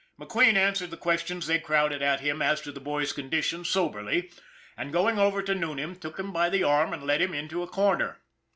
McQueen answered the questions they crowded at him as to the boy's condition soberly, and going over to Noonan took him by the arm and led him into a corner.